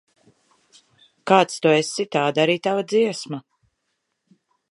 Kāds tu esi, tāda arī tava dziesma.